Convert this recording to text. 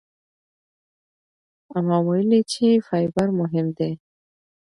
اما ویلي چې فایبر مهم دی.